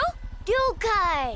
りょうかい。